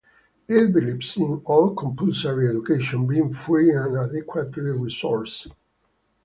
It believes in all compulsory education being free and adequately resourced.